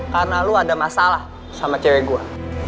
karena lo ada masalah sama cewek gue